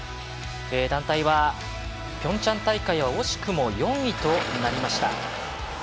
団体はピョンチャン大会は惜しくも４位となりました。